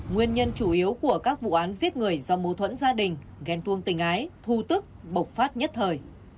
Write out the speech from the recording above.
nguyên nhân chủ yếu của các vụ án giết người do mâu thuẫn gia đình ghen tuông tình ái thu tức bộc phát nhất thời